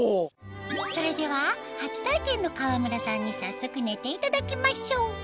それでは初体験の川村さんに早速寝ていただきましょう！